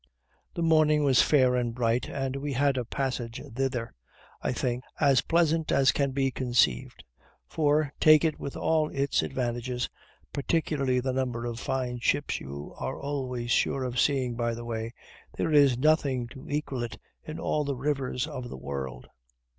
The morning was fair and bright, and we had a passage thither, I think, as pleasant as can be conceived: for, take it with all its advantages, particularly the number of fine ships you are always sure of seeing by the way, there is nothing to equal it in all the rivers of the world.